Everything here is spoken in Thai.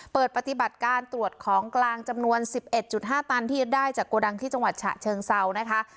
เปิดปฏิบัติการตรวจของกลางจำนวน๑๑๕ตันที่ยึดได้จากโกดังที่จังหวัดฉะเชิงเซานะคะ